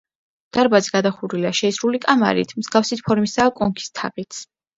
დარბაზი გადახურულია შეისრული კამარით, მსგავსი ფორმისაა კონქის თაღიც.